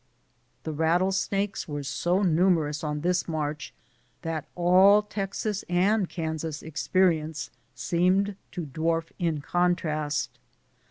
The rattlesnakes were so numerous on this march that all Texas and Kansas experience seemed to dwarf in contrast.